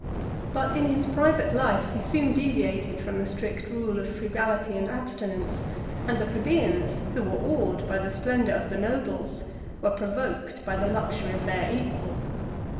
But in his private life he soon deviated from the strict rule of frugality and abstinence; and the plebeians, who were awed by the splendor of the nobles, were provoked by the luxury of their equal.